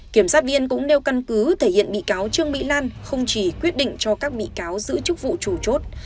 kiểm soát viên cũng đeo căn cứ thể hiện bị cáo trương bị lan không chỉ quyết định cho các bị cáo giữ chức vụ chủ chốt